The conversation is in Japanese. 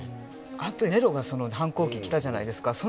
あとネロがその反抗期来たじゃないですか？